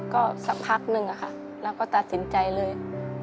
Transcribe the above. ก็สักพักนึงอะค่ะเราก็ตัดสินใจเลย